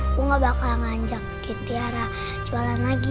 aku gak bakal ngajakin tiara jualan lagi